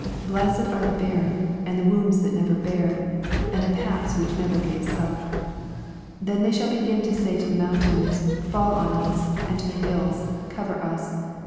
Blessed are the barren, and the wombs that never bare, and the paps which never gave suck. 80 Then shall thev begin to say to the mountains, Fall on us ; and to the hills. Cover us.